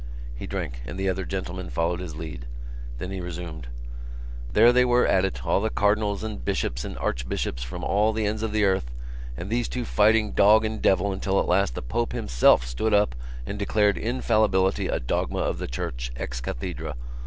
He drank and the other gentlemen followed his lead. Then he resumed: "There they were at it, all the cardinals and bishops and archbishops from all the ends of the earth and these two fighting dog and devil until at last the Pope himself stood up and declared infallibility a dogma of the Church ex cathedra.